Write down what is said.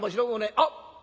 あっ！